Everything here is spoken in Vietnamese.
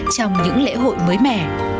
trong những lễ hội mới mẻ